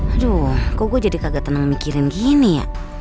aduh kok gue jadi kagetan memikirin gini ya